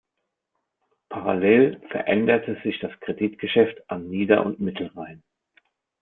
Parallel veränderte sich das Kreditgeschäft an Nieder- und Mittelrhein.